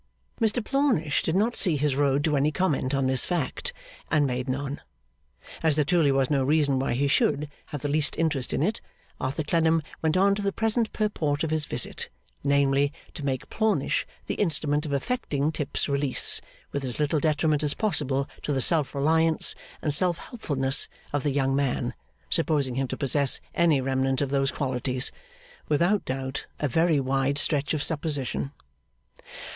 Mr Plornish did not see his road to any comment on this fact, and made none. As there truly was no reason why he should have the least interest in it, Arthur Clennam went on to the present purport of his visit; namely, to make Plornish the instrument of effecting Tip's release, with as little detriment as possible to the self reliance and self helpfulness of the young man, supposing him to possess any remnant of those qualities: without doubt a very wide stretch of supposition.